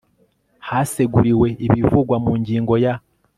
haseguriwe ibivugwa mu ngingo ya